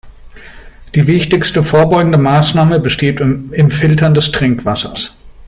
Die wichtigste vorbeugende Maßnahme besteht im Filtern des Trinkwassers.